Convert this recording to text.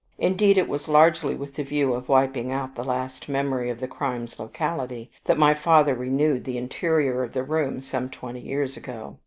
Indeed it was largely with the view of wiping out the last memory of the crime's locality, that my father renewed the interior of the room some twenty years ago.